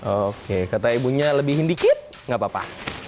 oke kata ibunya lebihin dikit gak apa apa